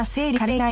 はい。